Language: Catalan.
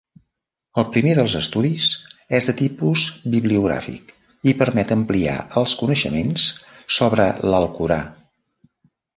El primer dels estudis és de tipus bibliogràfic i permet ampliar els coneixements sobre l'Alcorà.